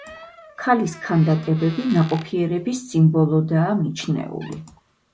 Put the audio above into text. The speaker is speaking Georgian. ქალის ქანდაკებები ნაყოფიერების სიმბოლოდაა მიჩნეული.